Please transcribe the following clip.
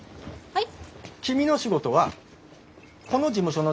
はい。